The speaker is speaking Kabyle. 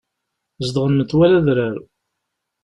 Zedɣen metwal adrar.